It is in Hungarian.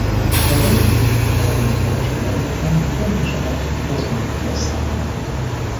A deutérium jelenléte a csillagokban fontos adat a kozmológia számára.